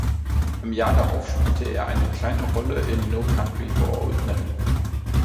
Im Jahr darauf spielte er eine kleine Rolle in "No Country for Old Men".